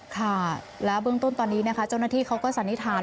ค่ะแล้วเบื้องต้นตอนนี้นะคะเจ้าหน้าที่เขาก็สันนิษฐาน